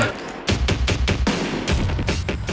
tumpeng gak sih